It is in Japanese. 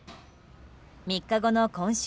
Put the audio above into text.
３日後の今週